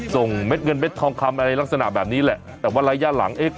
เม็ดเงินเด็ดทองคำอะไรลักษณะแบบนี้แหละแต่ว่าระยะหลังเอ๊ะ